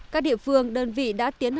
các địa phương đơn vị đã tiến hành